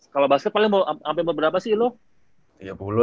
kalau basket paling berapa sih lu